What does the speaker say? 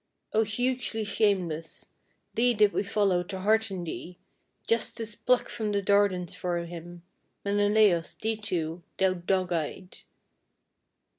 O hugely shameless! thee did we follow to hearten thee, justice Pluck from the Dardans for him, Menelaos, thee too, thou dog eyed!